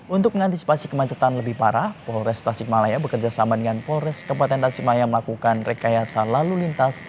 untuk mengantisipasi kemacetan lebih parah polres tasikmalaya bekerja sama dengan polres kabupaten tasikmaya melakukan rekayasa lalu lintas